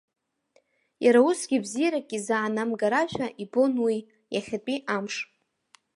Иара усгьы бзиарак изаанамгарашәа ибон уи, иахьатәи амш.